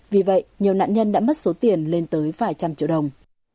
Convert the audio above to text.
vì vậy nhiều nạn nhân đã mất số tiền lên tới vài trăm triệu đồng